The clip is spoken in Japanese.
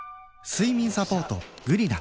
睡眠サポート「グリナ」